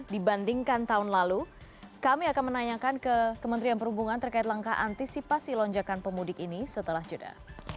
dibandingkan tahun lalu kami akan menanyakan ke kementerian perhubungan terkait langkah antisipasi lonjakan pemudik ini setelah jeda